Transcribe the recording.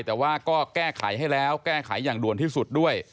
แต่ว่าก็แก้ไขให้แล้วแก้ไขอย่างด่วนที่สุดด้วย